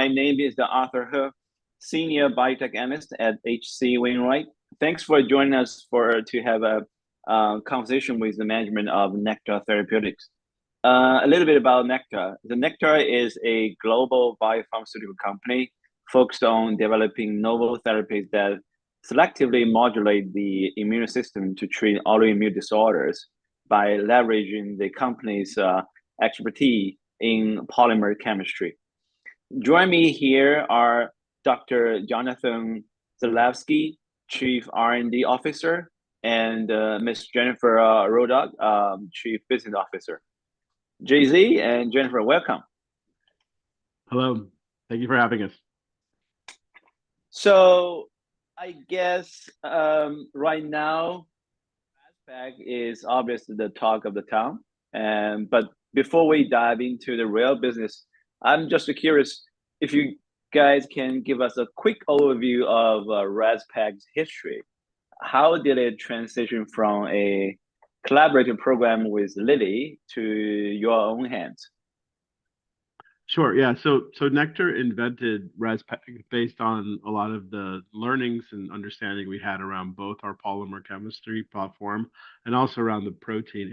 My name is Arthur He, Senior Biotech Analyst at H.C. Wainwright. Thanks for joining us to have a conversation with the management of Nektar Therapeutics. A little bit about Nektar: Nektar is a global biopharmaceutical company focused on developing novel therapies that selectively modulate the immune system to treat autoimmune disorders by leveraging the company's expertise in polymer chemistry. Joining me here are Dr. Jonathan Zalevsky, Chief R&D Officer, and Ms. Jennifer Ruddock, Chief Business Officer. JZ and Jennifer, welcome. Hello. Thank you for having us. I guess right now, Rezpeg is obviously the talk of the town. Before we dive into the real business, I'm just curious if you guys can give us a quick overview of Rezpeg's history. How did it transition from a collaborative program with Lilly to your own hands? Sure. Yeah. So Nektar invented Rezpeg based on a lot of the learnings and understanding we had around both our polymer chemistry platform and also around the protein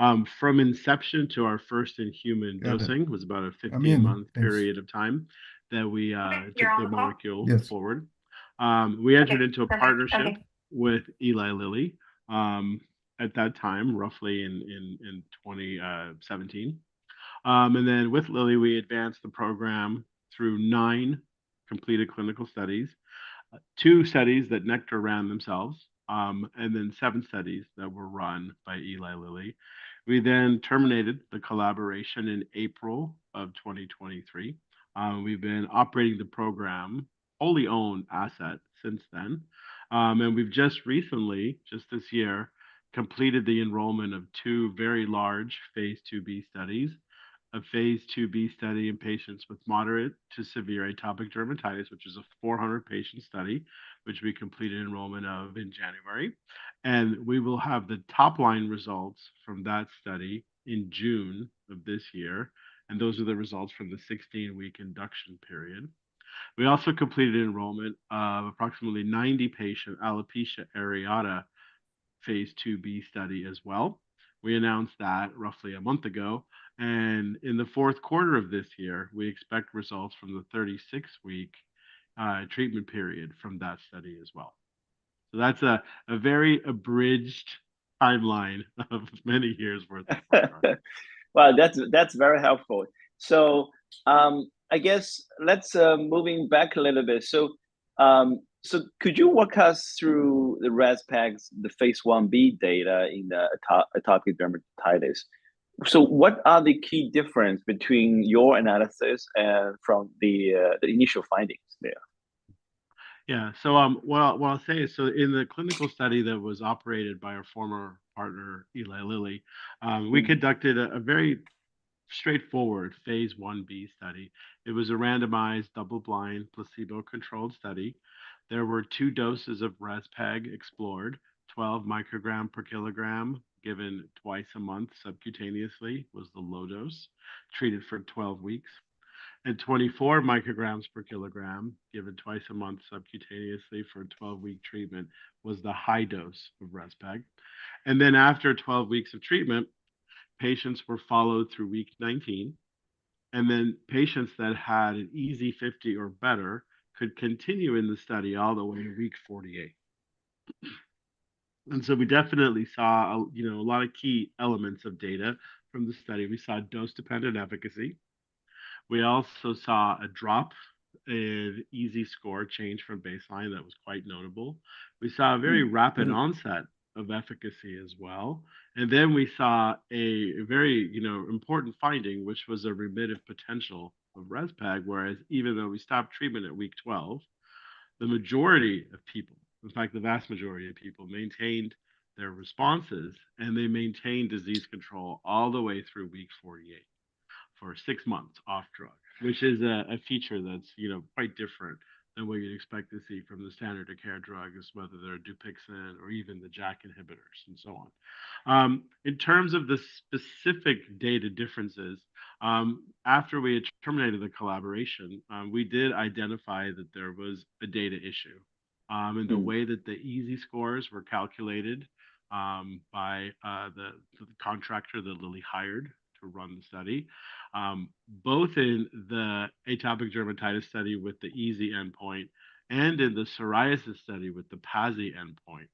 interleukin-2. From inception to our first in human dosing was about a 15-month period of time that we took the molecule forward. We entered into a partnership with Eli Lilly at that time, roughly in 2017. With Lilly, we advanced the program through nine completed clinical studies, two studies that Nektar ran themselves, and seven studies that were run by Eli Lilly. We terminated the collaboration in April of 2023. We've been operating the program, wholly owned asset since then. We have just recently, just this year, completed the enrollment of two very large Phase IIb studies, a Phase IIb study in patients with moderate to severe atopic dermatitis, which is a 400-patient study, which we completed enrollment of in January. We will have the top-line results from that study in June of this year. Those are the results from the 16-week induction period. We also completed enrollment of approximately 90-patient alopecia areata Phase IIb study as well. We announced that roughly a month ago. In the fourth quarter of this year, we expect results from the 36-week treatment period from that study as well. That is a very abridged timeline of many years' worth of work. That's very helpful. I guess let's move back a little bit. Could you walk us through Rezpeg's Phase Ib data in atopic dermatitis? What are the key differences between your analysis and the initial findings there? Yeah. What I'll say is, in the clinical study that was operated by our former partner, Eli Lilly, we conducted a very straightforward Phase Ib study. It was a randomized double-blind placebo-controlled study. There were two doses of Rezpeg explored, 12 mcg/kg given twice a month subcutaneously was the low dose treated for 12 weeks. And 24 mcg/kg given twice a month subcutaneously for a 12-week treatment was the high dose of Rezpeg. After 12 weeks of treatment, patients were followed through week 19. Patients that had an EASI 50 or better could continue in the study all the way to week 48. We definitely saw a lot of key elements of data from the study. We saw dose-dependent efficacy. We also saw a drop in EASI score change from baseline that was quite notable. We saw a very rapid onset of efficacy as well. We saw a very important finding, which was a remittive potential of Rezpeg, whereas even though we stopped treatment at week 12, the majority of people, in fact, the vast majority of people maintained their responses and they maintained disease control all the way through week 48 for six months off drug, which is a feature that's quite different than what you'd expect to see from the standard of care drugs, whether they're Dupixent or even the JAK inhibitors and so on. In terms of the specific data differences, after we terminated the collaboration, we did identify that there was a data issue. The way that the EASI scores were calculated by the contractor that Lilly hired to run the study, both in the atopic dermatitis study with the EASI endpoint and in the psoriasis study with the PASI endpoint,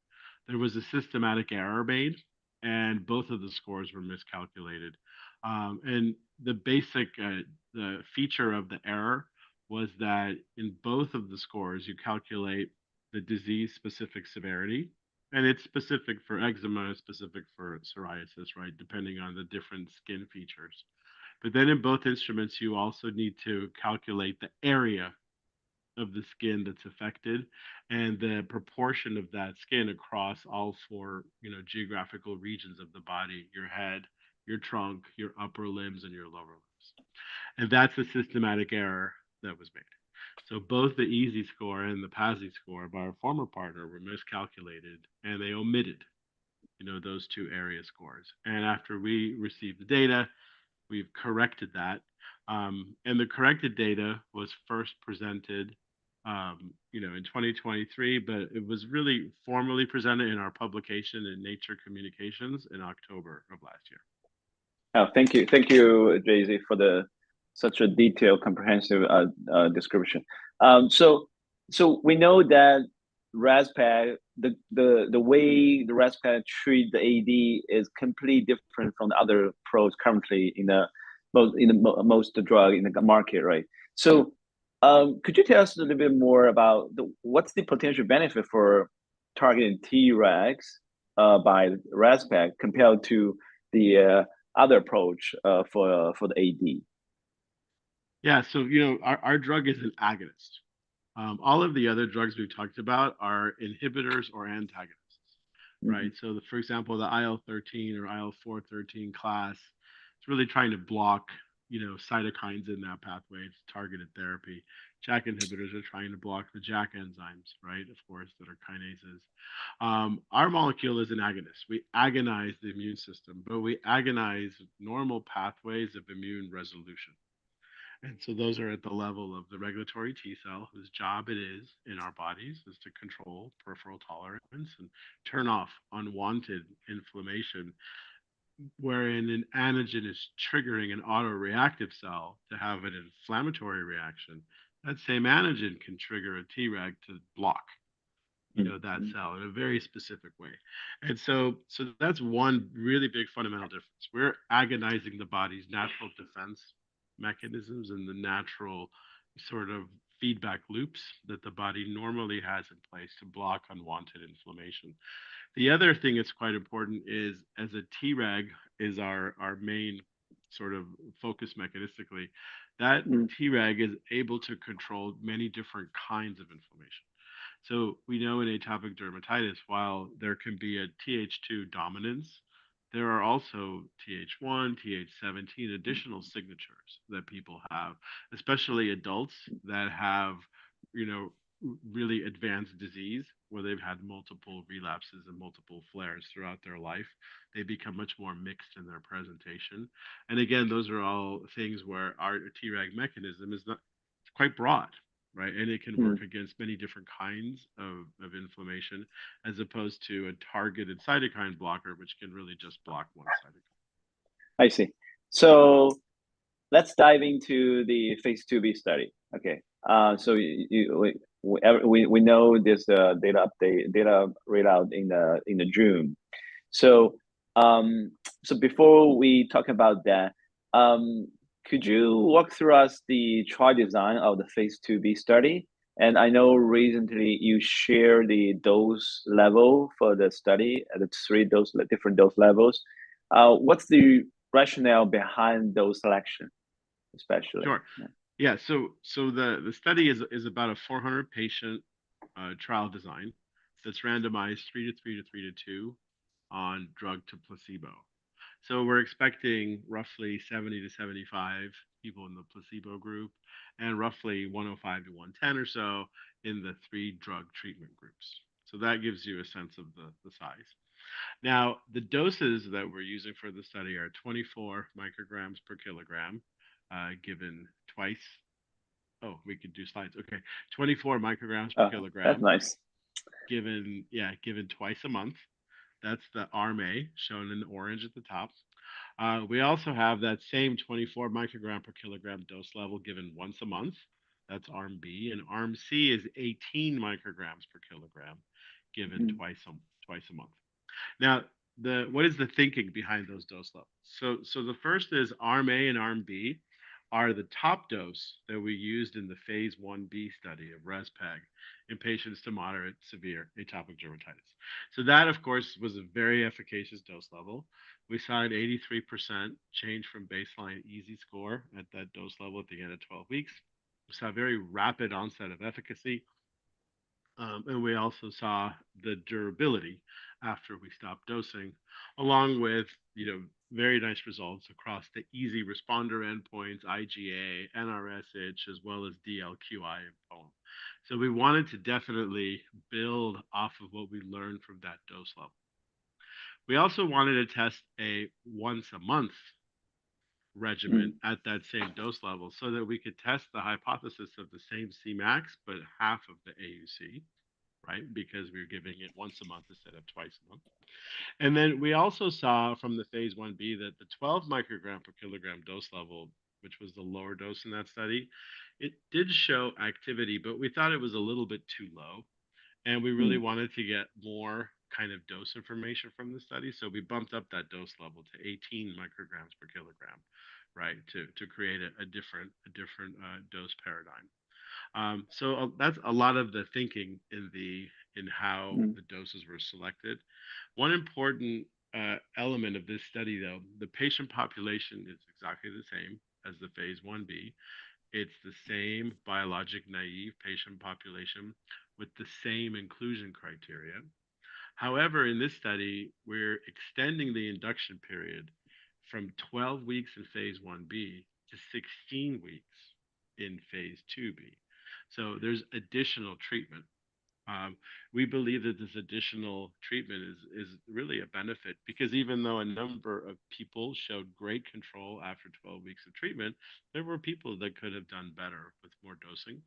there was a systematic error made and both of the scores were miscalculated. The basic feature of the error was that in both of the scores, you calculate the disease-specific severity. It is specific for eczema, specific for psoriasis, right, depending on the different skin features. In both instruments, you also need to calculate the area of the skin that's affected and the proportion of that skin across all four geographical regions of the body, your head, your trunk, your upper limbs, and your lower limbs. That is a systematic error that was made. Both the EASI score and the PASI score by our former partner were miscalculated and they omitted those two area scores. After we received the data, we've corrected that. The corrected data was first presented in 2023, but it was really formally presented in our publication in Nature Communications in October of last year. Thank you, Jonathan, for such a detailed, comprehensive description. We know that Rezpeg, the way that Rezpeg treats the AD, is completely different from the other pros currently in most drugs in the market, right? Could you tell us a little bit more about what's the potential benefit for targeting Tregs by Rezpeg compared to the other approach for the AD? Yeah. Our drug is an agonist. All of the other drugs we've talked about are inhibitors or antagonists, right? For example, the IL-13 or IL-4/13 class, it's really trying to block cytokines in that pathway. It's targeted therapy. JAK inhibitors are trying to block the JAK enzymes, right, of course, that are kinases. Our molecule is an agonist. We agonize the immune system, but we agonize normal pathways of immune resolution. Those are at the level of the regulatory T cell, whose job it is in our bodies is to control peripheral tolerance and turn off unwanted inflammation. Wherein an antigen is triggering an autoreactive cell to have an inflammatory reaction, that same antigen can trigger a Treg to block that cell in a very specific way. That's one really big fundamental difference. We're agonizing the body's natural defense mechanisms and the natural sort of feedback loops that the body normally has in place to block unwanted inflammation. The other thing that's quite important is as a Treg is our main sort of focus mechanistically, that Treg is able to control many different kinds of inflammation. We know in atopic dermatitis, while there can be a TH2 dominance, there are also TH1, TH17 additional signatures that people have, especially adults that have really advanced disease where they've had multiple relapses and multiple flares throughout their life. They become much more mixed in their presentation. Those are all things where our Treg mechanism is quite broad, right? It can work against many different kinds of inflammation as opposed to a targeted cytokine blocker, which can really just block one cytokine. I see. Let's dive into the Phase IIb study. Okay. We know there's a data readout in June. Before we talk about that, could you walk us through the trial design of the Phase IIb study? I know recently you shared the dose level for the study, the three different dose levels. What's the rationale behind those selections, especially? Sure. Yeah. The study is about a 400-patient trial design that's randomized 3:3:3:2 on drug to placebo. We're expecting roughly 70-75 people in the placebo group and roughly 105-110 or so in the three drug treatment groups. That gives you a sense of the size. The doses that we're using for the study are 24 mcg/kg given twice. Oh, we could do slides. Okay, 24 mcg/kg. That's nice. Yeah, given twice a month. That's the ARM-A shown in orange at the top. We also have that same 24 mcg/kg dose level given once a month. That's ARM-B. ARM-C is 18 mcg/kg given twice a month. Now, what is the thinking behind those dose levels? The first is ARM-A and ARM-B are the top dose that we used in the Phase Ib study of Rezpeg in patients to moderate to severe atopic dermatitis. That, of course, was a very efficacious dose level. We saw an 83% change from baseline EASI score at that dose level at the end of 12 weeks. We saw a very rapid onset of efficacy. We also saw the durability after we stopped dosing, along with very nice results across the EASI responder endpoints, IGA, NRSH, as well as DLQI and POEM. We wanted to definitely build off of what we learned from that dose level. We also wanted to test a once-a-month regimen at that same dose level so that we could test the hypothesis of the same Cmax, but half of the AUC, right, because we were giving it once a month instead of twice a month. We also saw from the Phase Ib that the 12 mcg/kg dose level, which was the lower dose in that study, it did show activity, but we thought it was a little bit too low. We really wanted to get more kind of dose information from the study. We bumped up that dose level to 18 mcg/kg, right, to create a different dose paradigm. That is a lot of the thinking in how the doses were selected. One important element of this study, though, the patient population is exactly the same as the Phase Ib. It's the same biologic naive patient population with the same inclusion criteria. However, in this study, we're extending the induction period from 12 weeks in Phase Ib to 16 weeks in Phase IIb. There is additional treatment. We believe that this additional treatment is really a benefit because even though a number of people showed great control after 12 weeks of treatment, there were people that could have done better with more dosing.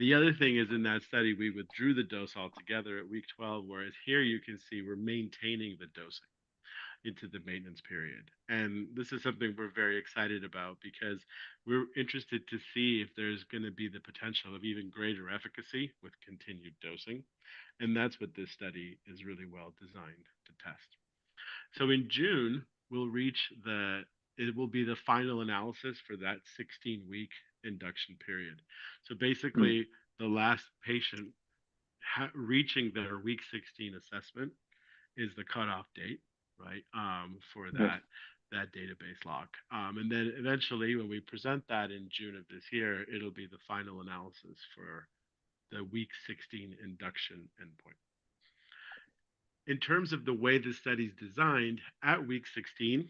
The other thing is in that study, we withdrew the dose altogether at week 12, whereas here you can see we're maintaining the dosing into the maintenance period. This is something we're very excited about because we're interested to see if there's going to be the potential of even greater efficacy with continued dosing. That is what this study is really well designed to test. In June, we will reach the final analysis for that 16-week induction period. Basically, the last patient reaching their week 16 assessment is the cutoff date for that database lock. Eventually, when we present that in June of this year, it will be the final analysis for the week 16 induction endpoint. In terms of the way the study is designed, at week 16,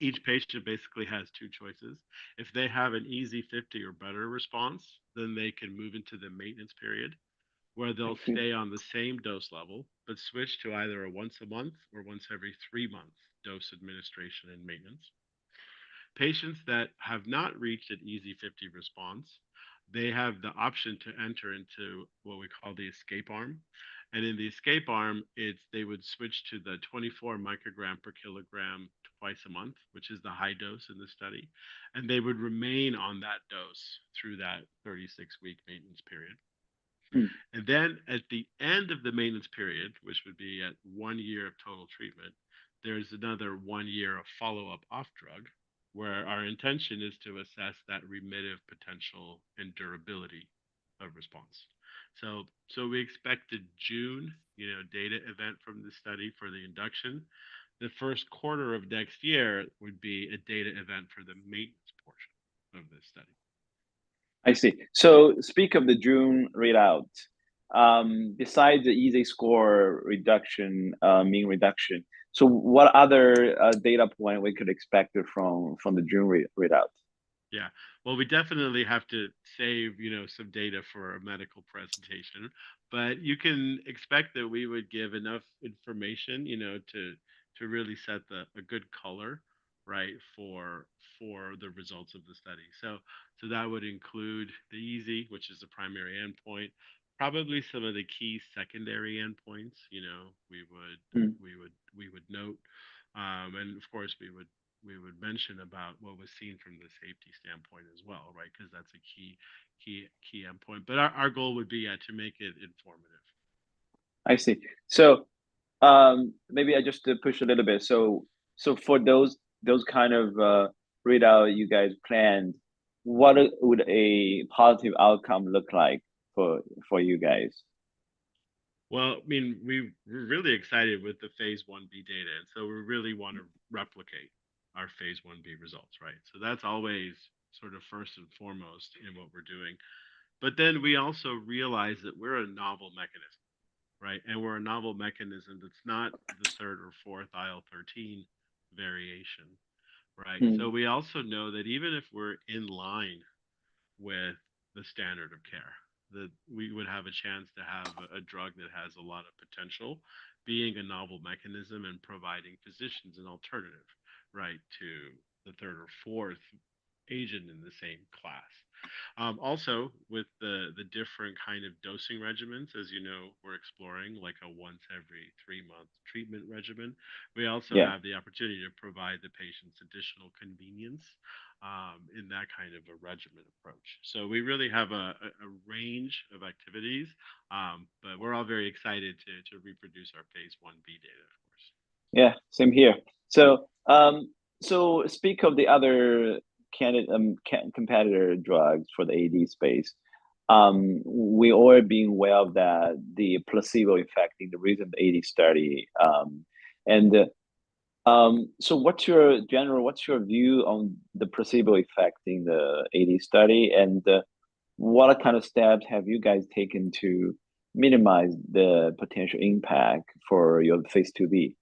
each patient basically has two choices. If they have an EASI 50 or better response, then they can move into the maintenance period where they will stay on the same dose level but switch to either a once-a-month or once-every-three-month dose administration and maintenance. Patients that have not reached an EASI 50 response have the option to enter into what we call the escape arm. In the escape arm, they would switch to the 24 mcg/kg twice a month, which is the high dose in the study. They would remain on that dose through that 36-week maintenance period. At the end of the maintenance period, which would be at one year of total treatment, there is another one year of follow-up off drug where our intention is to assess that remittive potential and durability of response. We expect the June data event from the study for the induction. The first quarter of next year would be a data event for the maintenance portion of this study. I see. To speak of the June readout. Besides the EASI score reduction, mean reduction, what other data point could we expect from the June readout? Yeah. We definitely have to save some data for a medical presentation, but you can expect that we would give enough information to really set a good color, right, for the results of the study. That would include the EASI, which is the primary endpoint, probably some of the key secondary endpoints we would note. Of course, we would mention about what was seen from the safety standpoint as well, right, because that's a key endpoint. Our goal would be to make it informative. I see. Maybe I just push a little bit. For those kind of readout you guys planned, what would a positive outcome look like for you guys? I mean, we're really excited with the Phase Ib data. And so we really want to replicate our Phase Ib results, right? That's always sort of first and foremost in what we're doing. We also realize that we're a novel mechanism, right? We're a novel mechanism that's not the third or fourth IL-13 variation, right? We also know that even if we're in line with the standard of care, we would have a chance to have a drug that has a lot of potential being a novel mechanism and providing physicians an alternative, right, to the third or fourth agent in the same class. Also, with the different kind of dosing regimens, as you know, we're exploring like a once-every-three-month treatment regimen. We also have the opportunity to provide the patients additional convenience in that kind of a regimen approach. We really have a range of activities, but we're all very excited to reproduce our Phase Ib data, of course. Yeah. Same here. Speak of the other competitor drugs for the AD space. We all are being aware of the placebo effect in the recent AD study. What's your general view on the placebo effect in the AD study? What kind of steps have you guys taken to minimize the potential impact for your Phase IIb?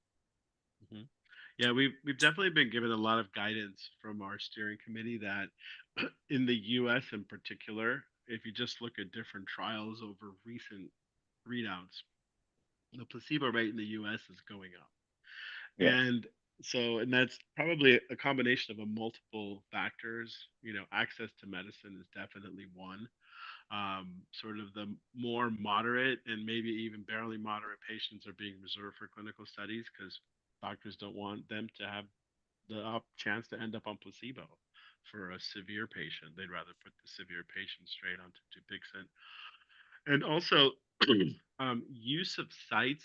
Yeah. We've definitely been given a lot of guidance from our steering committee that in the U.S. in particular, if you just look at different trials over recent readouts, the placebo rate in the U.S. is going up. That's probably a combination of multiple factors. Access to medicine is definitely one. Sort of the more moderate and maybe even barely moderate patients are being reserved for clinical studies because doctors don't want them to have the chance to end up on placebo for a severe patient. They'd rather put the severe patient straight onto Dupixent. Also, use of sites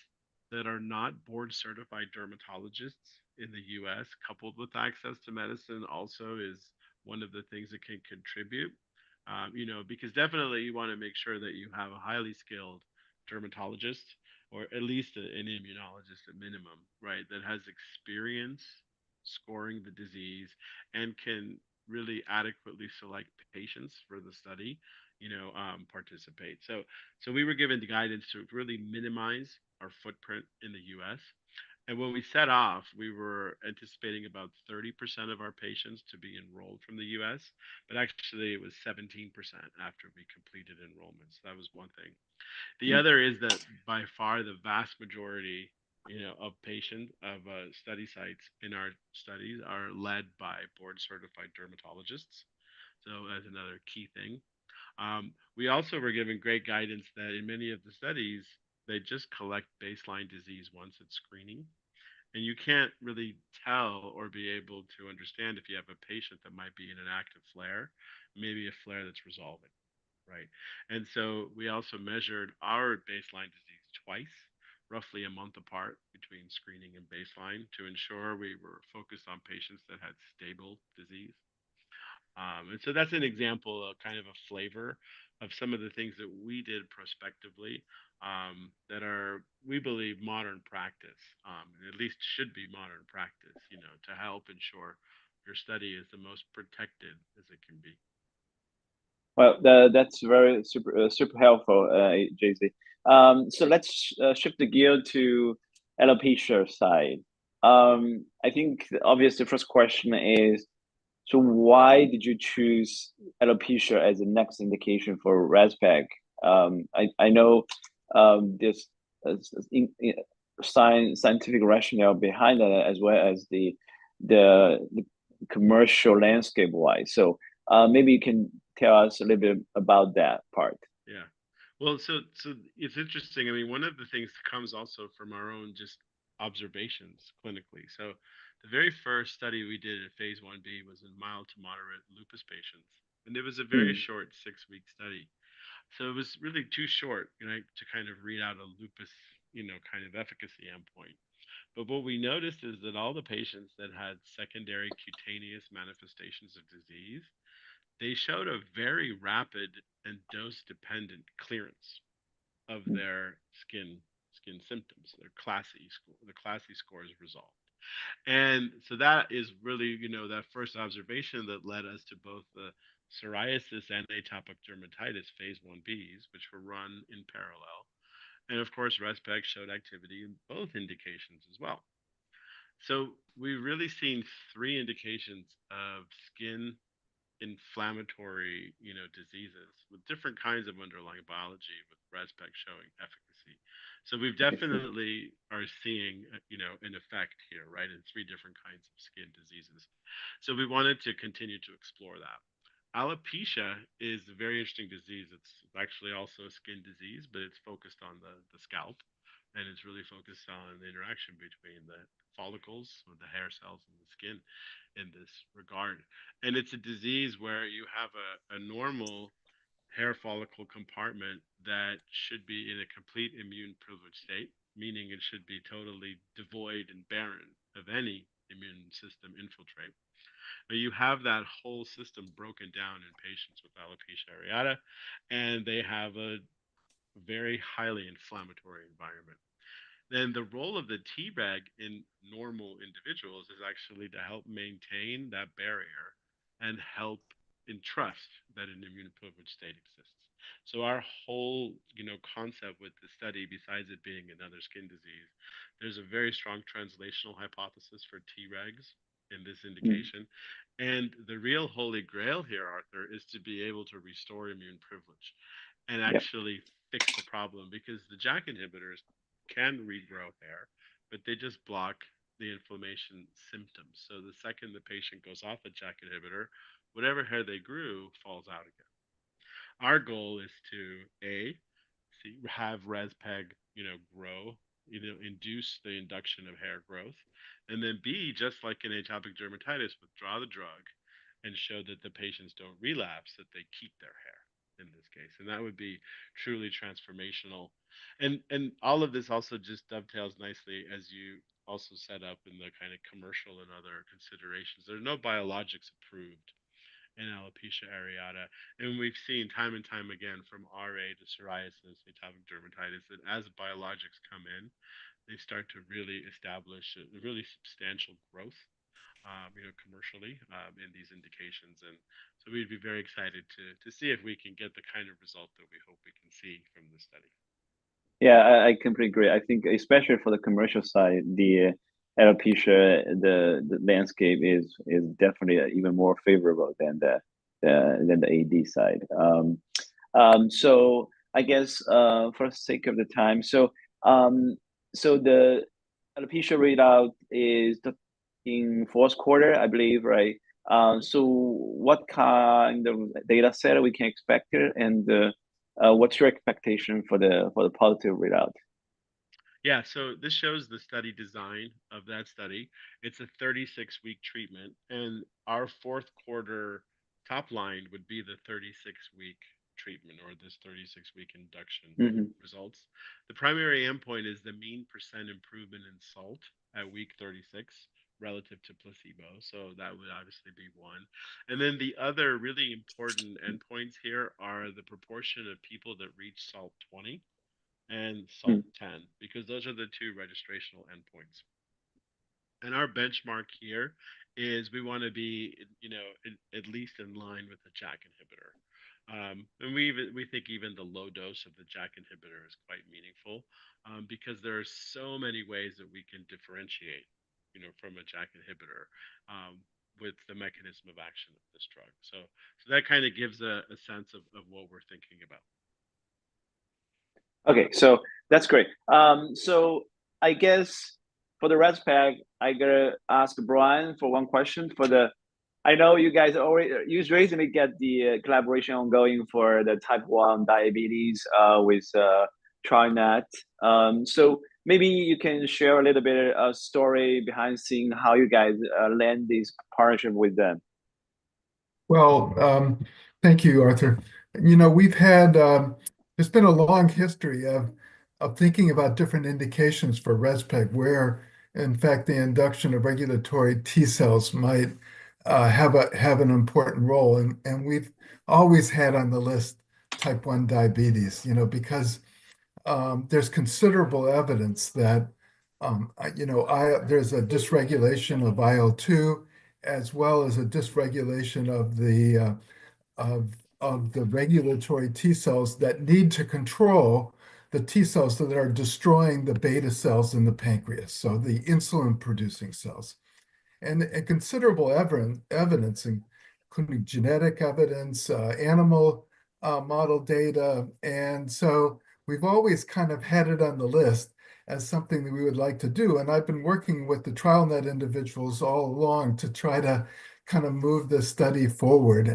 that are not board-certified dermatologists in the U.S., coupled with access to medicine, also is one of the things that can contribute. Because definitely, you want to make sure that you have a highly skilled dermatologist, or at least an immunologist at minimum, right, that has experience scoring the disease and can really adequately select patients for the study participate. We were given the guidance to really minimize our footprint in the U.S. When we set off, we were anticipating about 30% of our patients to be enrolled from the U.S., but actually, it was 17% after we completed enrollment. That was one thing. The other is that by far, the vast majority of patients of study sites in our studies are led by board-certified dermatologists. That is another key thing. We also were given great guidance that in many of the studies, they just collect baseline disease once it is screening. You can't really tell or be able to understand if you have a patient that might be in an active flare, maybe a flare that's resolving, right? We also measured our baseline disease twice, roughly a month apart between screening and baseline to ensure we were focused on patients that had stable disease. That's an example of kind of a flavor of some of the things that we did prospectively that are, we believe, modern practice, at least should be modern practice to help ensure your study is the most protected as it can be. That's very super helpful, Jason. Let's shift the gear to the alopecia side. I think, obviously, the first question is, why did you choose alopecia as the next indication for Rezpeg? I know there's scientific rationale behind that as well as the commercial landscape-wise. Maybe you can tell us a little bit about that part. Yeah. So it's interesting. I mean, one of the things that comes also from our own just observations clinically. The very first study we did in Phase Ib was in mild to moderate lupus patients. It was a very short six-week study. It was really too short to kind of read out a lupus kind of efficacy endpoint. What we noticed is that all the patients that had secondary cutaneous manifestations of disease showed a very rapid and dose-dependent clearance of their skin symptoms. Their CLASI scores resolved. That is really that first observation that led us to both the psoriasis and atopic dermatitis Phase Ibs, which were run in parallel. Rezpeg showed activity in both indications as well. We've really seen three indications of skin inflammatory diseases with different kinds of underlying biology, with Rezpeg showing efficacy. We definitely are seeing an effect here, right, in three different kinds of skin diseases. We wanted to continue to explore that. Alopecia is a very interesting disease. It's actually also a skin disease, but it's focused on the scalp. It's really focused on the interaction between the follicles or the hair cells and the skin in this regard. It's a disease where you have a normal hair follicle compartment that should be in a complete immune privilege state, meaning it should be totally devoid and barren of any immune system infiltrate. You have that whole system broken down in patients with alopecia areata, and they have a very highly inflammatory environment. The role of the Treg in normal individuals is actually to help maintain that barrier and help entrust that an immune privilege state exists. Our whole concept with the study, besides it being another skin disease, there's a very strong translational hypothesis for Tregs in this indication. The real holy grail here, Arthur, is to be able to restore immune privilege and actually fix the problem because the JAK inhibitors can regrow hair, but they just block the inflammation symptoms. The second the patient goes off a JAK inhibitor, whatever hair they grew falls out again. Our goal is to, A, have Rezpeg grow, induce the induction of hair growth. B, just like in atopic dermatitis, withdraw the drug and show that the patients do not relapse, that they keep their hair in this case. That would be truly transformational. All of this also just dovetails nicely as you also set up in the kind of commercial and other considerations. There are no biologics approved in alopecia areata. We have seen time and time again from RA to psoriasis, atopic dermatitis, that as biologics come in, they start to really establish really substantial growth commercially in these indications. We would be very excited to see if we can get the kind of result that we hope we can see from this study. Yeah, I completely agree. I think especially for the commercial side, the alopecia landscape is definitely even more favorable than the AD side. I guess for the sake of the time, the alopecia readout is in fourth quarter, I believe, right? What kind of data set can we expect here? What's your expectation for the positive readout? Yeah. This shows the study design of that study. It's a 36-week treatment. Our fourth quarter top line would be the 36-week treatment or this 36-week induction results. The primary endpoint is the mean % improvement in SALT at week 36 relative to placebo. That would obviously be one. The other really important endpoints here are the proportion of people that reach SALT 20 and SALT 10 because those are the two registrational endpoints. Our benchmark here is we want to be at least in line with a JAK inhibitor. We think even the low dose of the JAK inhibitor is quite meaningful because there are so many ways that we can differentiate from a JAK inhibitor with the mechanism of action of this drug. That kind of gives a sense of what we're thinking about. Okay. That's great. I guess for the Rezpeg, I'm going to ask Brian for one question. I know you guys already, you've recently got the collaboration ongoing for the type 1 diabetes with TrialNet. Maybe you can share a little bit of a story behind the scenes, how you guys landed this partnership with them. Thank you, Arthur. There's been a long history of thinking about different indications for Rezpeg where, in fact, the induction of regulatory T cells might have an important role. We've always had on the list type 1 diabetes because there's considerable evidence that there's a dysregulation of IL-2 as well as a dysregulation of the regulatory T cells that need to control the T cells that are destroying the beta cells in the pancreas, so the insulin-producing cells. Considerable evidence, including genetic evidence, animal model data. We've always kind of had it on the list as something that we would like to do. I've been working with the TrialNet individuals all along to try to kind of move this study forward.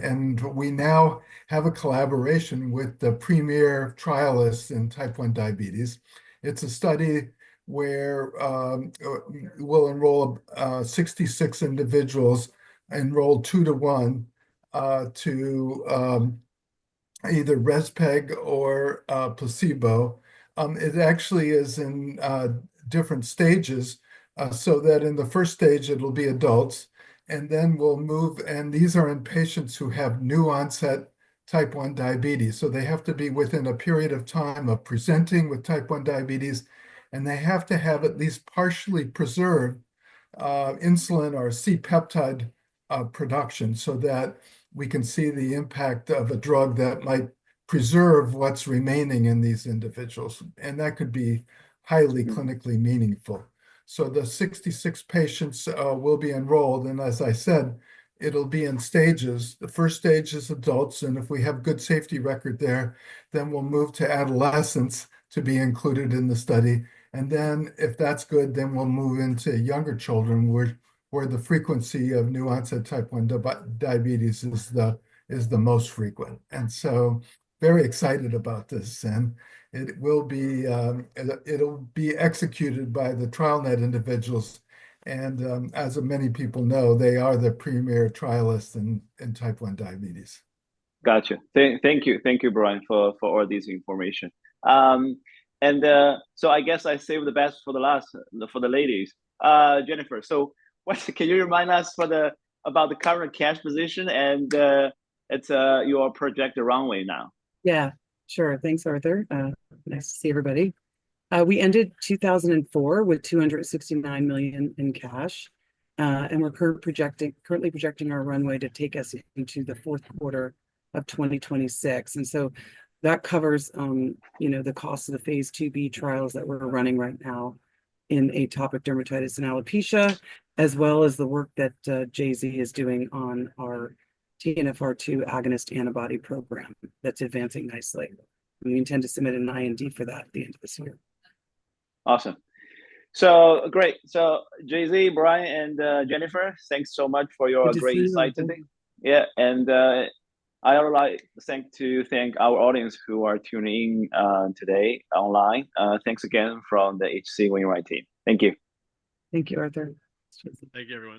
We now have a collaboration with the premier trialists in type 1 diabetes. It's a study where we'll enroll 66 individuals enrolled two to one to either Rezpeg or placebo. It actually is in different stages so that in the first stage, it'll be adults. We'll move, and these are in patients who have new onset type 1 diabetes. They have to be within a period of time of presenting with type 1 diabetes, and they have to have at least partially preserved insulin or C-peptide production so that we can see the impact of a drug that might preserve what's remaining in these individuals. That could be highly clinically meaningful. The 66 patients will be enrolled. As I said, it'll be in stages. The first stage is adults. If we have good safety record there, we'll move to adolescents to be included in the study. If that's good, then we'll move into younger children where the frequency of new onset type 1 diabetes is the most frequent. I am very excited about this. It will be executed by the TrialNet individuals. As many people know, they are the premier trialists in type 1 diabetes. Gotcha. Thank you, Brian, for all this information. I guess I save the best for the ladies. Jennifer, can you remind us about the current cash position and your project runway now? Yeah, sure. Thanks, Arthur. Nice to see everybody. We ended 2004 with $269 million in cash. We're currently projecting our runway to take us into the fourth quarter of 2026. That covers the cost of the Phase IIb trials that we're running right now in atopic dermatitis and alopecia, as well as the work that JZ is doing on our TNFR2 agonist antibody program that's advancing nicely. We intend to submit an IND for that at the end of this year. Awesome. Great. JZ, Brian, and Jennifer, thanks so much for your great insight today. Yeah. I'd like to thank our audience who are tuning in today online. Thanks again from the H.C. Wainwright team. Thank you. Thank you, Arthur. Thank you.